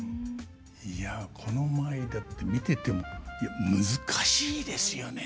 いやこの舞だって見ててもいや難しいですよね。